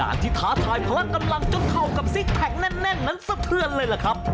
ที่ท้าทายพละกำลังจนเข้ากับซิกแพคแน่นนั้นสะเทือนเลยล่ะครับ